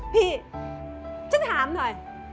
พี่ฉันถามหน่อย